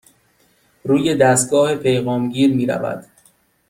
روی دستگاه پیغام گیر می رود.